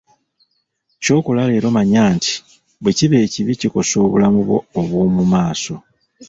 Ky’okola leero manya nti bwekiba ekibi kikosa obulamu bwo obwomu maaso.